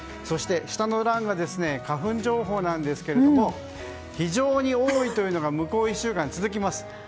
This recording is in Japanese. そして、下の欄は花粉情報ですが非常に多いというのが向こう１週間続きます。